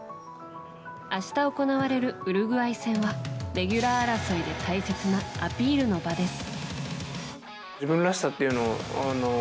明日行われるウルグアイ戦はレギュラー争いで大切なアピールの場です。